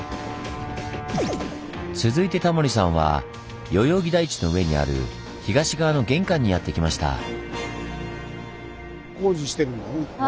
続いてタモリさんは代々木台地の上にある東側の玄関にやって来ました。